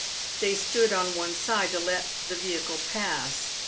They stood on one side to let the vehicle pass.